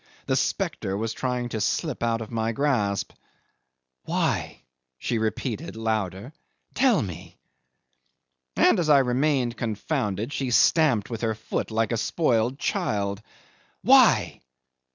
The spectre was trying to slip out of my grasp. "Why?" she repeated louder; "tell me!" And as I remained confounded, she stamped with her foot like a spoilt child. "Why?